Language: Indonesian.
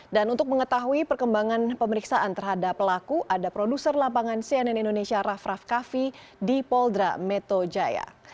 dan untuk mengetahui perkembangan pemeriksaan terhadap pelaku ada produser lapangan cnn indonesia raff raff kaffi di poldra metro jaya